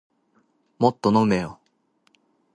もっと飲めよ